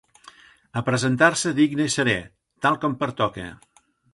A presentar-se digne i serè, tal com pertoca